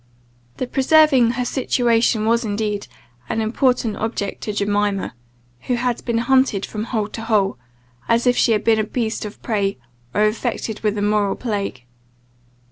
The preserving her situation was, indeed, an important object to Jemima, who had been hunted from hole to hole, as if she had been a beast of prey, or infected with a moral plague.